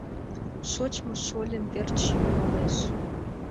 Шочмо шольым верч йӱлалеш.